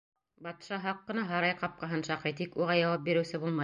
Батша һаҡ ҡына һарай ҡапҡаһын шаҡый, тик уға яуап биреүсе булмай.